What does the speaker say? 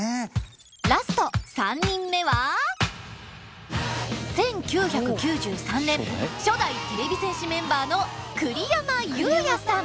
ラスト３人目は１９９３年初代てれび戦士メンバーの栗山祐哉さん。